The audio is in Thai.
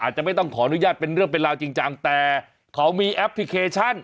อาจจะไม่ต้องขออนุญาตเป็นเรื่องเป็นราวจริงจังแต่เขามีแอปพลิเคชัน